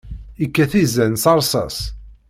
Ikkat izan s rrṣas.